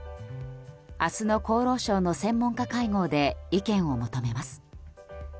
明日の厚労省の専門家会合で意見を求めます。